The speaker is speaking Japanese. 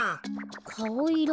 かおいろ